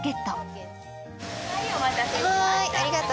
はいお待たせしました。